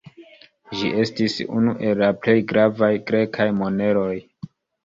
Ĝi estis unu el la plej gravaj grekaj moneroj.